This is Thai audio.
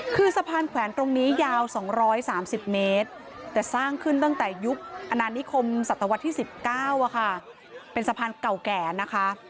คือสะพานแขวนตรงนี้ยาว๒๓๐เมตรแต่สร้างขึ้นตั้งแต่ยุคอนานิคมศัตวรรษที่๑๙เป็นสะพานเก่าแก่นะคะ